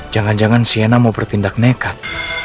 jangan jangan cnn mau bertindak nekat